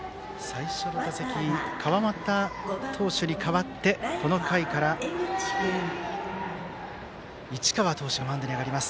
川又投手に代わってこの回から市川投手がマウンドに上がります。